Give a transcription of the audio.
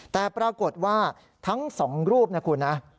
แต่ปรากฏว่าทั้งสองรูปนะคุณนะ